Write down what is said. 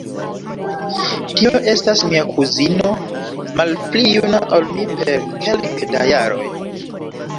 Tio estas mia kuzino, malpli juna ol mi per kelke da jaroj.